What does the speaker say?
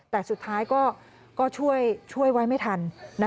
แต่สุดท้ายก็ช่วยไว้ไม่ทัน